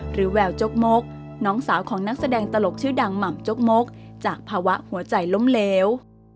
แววจกมกน้องสาวของนักแสดงตลกชื่อดังหม่ำจกมกจากภาวะหัวใจล้มเหลว